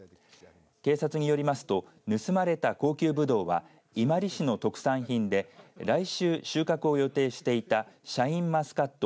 警察によりますと盗まれた高級ぶどうは伊万里市の特産品で来週収穫を予定していたシャインマスカット